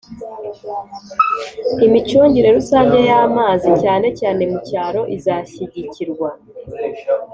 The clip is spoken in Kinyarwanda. imicungire rusange y'amazi cyane cyane mu cyaro izashyigikirwa.